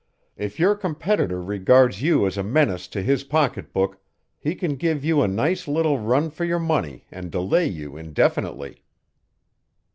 If your competitor regards you as a menace to his pocketbook, he can give you a nice little run for your money and delay you indefinitely."